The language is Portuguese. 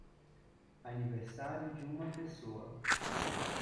Aniversário de uma pessoa